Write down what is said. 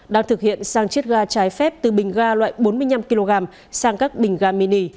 đang thực hiện sang chiết ga trái phép từ bình ga loại bốn mươi năm kg sang các bình ga mini